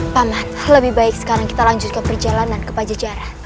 panas lebih baik sekarang kita lanjutkan perjalanan ke pajajaran